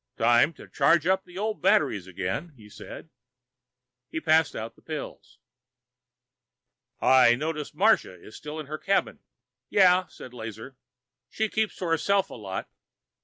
"Time to charge up the old batteries again," he said. He passed out the pills. "I notice Marsha is still in her cabin." "Yeah," said Lazar, "she keeps to herself a lot.